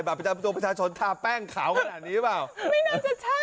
แบบตัวประชาชนท่าแป้งขาวขนาดนี้หรือเปล่า